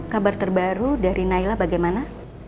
kabar terbaru dari naila bagaimana